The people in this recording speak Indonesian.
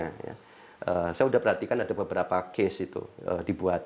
saya sudah perhatikan ada beberapa case itu dibuat